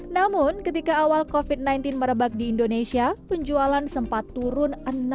namun ketika orang memakai produk ini mereka akan memiliki produk yang berfokus pada kegunaan dan kemudahan pengguna saat memakainya